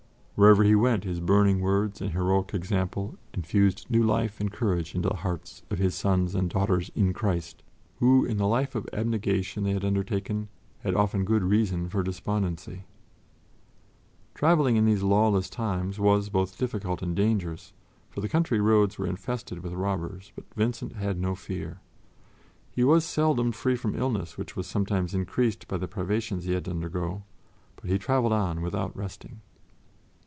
Wherever he went, his burning words and heroic example infused new life and courage into the hearts of his sons and daughters in Christ, who, in the life of abnegation they had undertaken, had often good reason for despondency. Traveling in these lawless times was both difficult and dangerous, for the country roads were infested with robbers, but Vincent had no fear. He was seldom free from illness, which was sometimes increased by the privations he had to undergo, but he traveled on without resting.